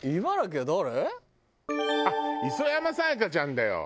あっ磯山さやかちゃんだよ！